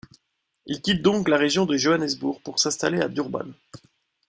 Il quitte donc la région de Johannesburg pour s’installer à Durban.